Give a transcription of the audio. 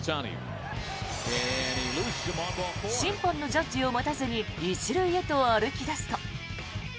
審判のジャッジを待たずに１塁へと歩き出すと。